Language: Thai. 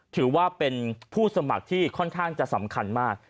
ถือว่าเป็นผู้สมัครที่ค่อนข้างจะสำคัญมาก